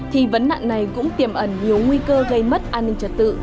thì vấn nạn này cũng tiềm ẩn nhiều nguy cơ gây mất an ninh trật tự